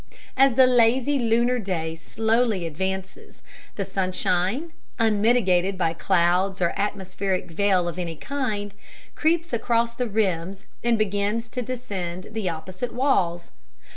As the lazy lunar day slowly advances, the sunshine, unmitigated by clouds or atmospheric veil of any kind, creeps across their rims and begins to descend the opposite walls.